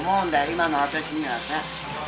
今の私にはさ。